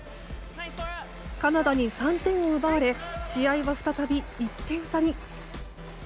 カナダに３点を奪われ試合は再び１点差に。